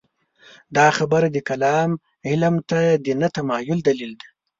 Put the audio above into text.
دا خبره د کلام علم ته د نه تمایل دلیل دی.